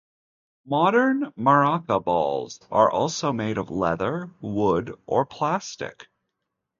Modern maraca balls are also made of leather, wood, or plastic.